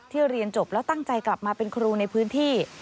เรียนจบแล้วตั้งใจกลับมาเป็นครูในพื้นที่